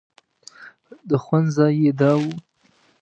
د خوند ځای یې دا و.